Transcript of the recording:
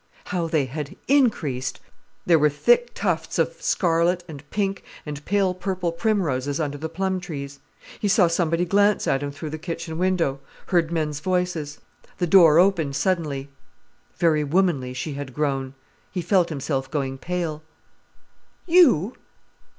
How they had increased! There were thick tufts of scarlet, and pink, and pale purple primroses under the plum trees. He saw somebody glance at him through the kitchen window, heard men's voices. The door opened suddenly: very womanly she had grown! He felt himself going pale. "You?